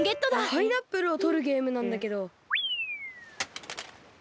パイナップルをとるゲームなんだけど。